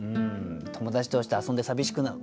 友達同士で遊んで寂しくなる。